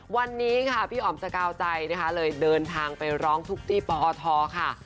วันนี้ค่ะพี่อ๋อมสกาวใจนะคะเลยเดินทางไปร้องทุกข์ที่ปอทค่ะ